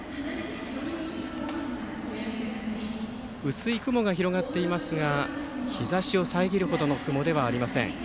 薄い雲が広がっていますが日ざしを遮るほどの雲ではありません。